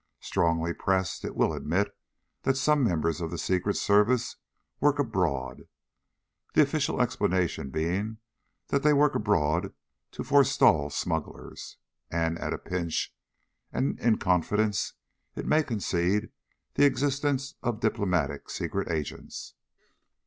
Strongly pressed, it will admit that some members of the Secret Service work abroad, the official explanation being that they work abroad to forestall smugglers. And at a pinch, and in confidence, it may concede the existence of diplomatic secret agents.